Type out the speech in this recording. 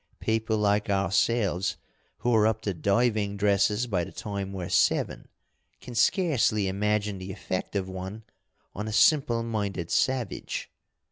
People like ourselves, who're up to diving dresses by the time we're seven, can scarcely imagine the effect of one on a simple minded savage.